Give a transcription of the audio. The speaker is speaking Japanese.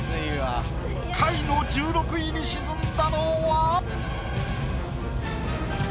下位の１６位に沈んだのは？